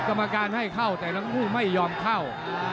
กรรมการให้เข้าแต่ทั้งคู่ไม่ยอมเข้า